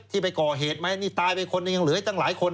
ที่ไปก่อเหตุไหมนี่ตายไปคนยังเหลือจังหลายคน